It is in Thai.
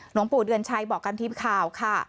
หลวงปู่เดือนชัยบอกกับทีมข่าวค่ะ